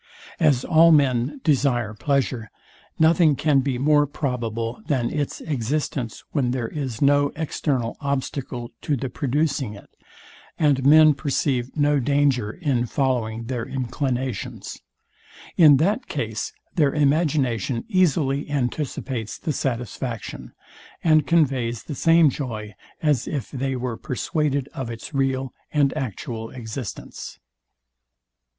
As all men desire pleasure, nothing can be more probable, than its existence when there is no external obstacle to the producing it, and men perceive no danger in following their inclinations. In that case their imagination easily anticipates the satisfaction, and conveys the same joy, as if they were persuaded of its real and actual existence.